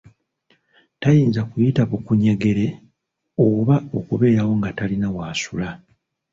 Tayinza kuyita bukuunyegere oba okubeerawo nga talina w’asula.